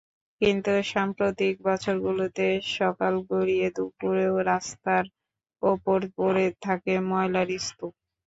কিন্তু সাম্প্রতিক বছরগুলোতে সকাল গড়িয়ে দুপুরেও রাস্তার ওপর পড়ে থাকে ময়লার স্তূপ।